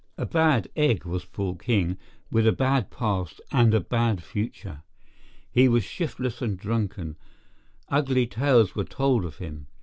A bad egg was Paul King, with a bad past and a bad future. He was shiftless and drunken; ugly tales were told of him.